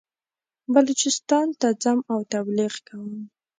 بلوچستان ته ځم او تبلیغ کوم.